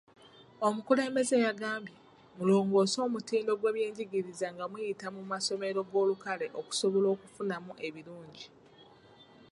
Omukulembeze yagambye, mulongoose omutindo gw'ebyenjigiriza nga muyita mu masomero g'olukale okusobola okufunamu ebirungi.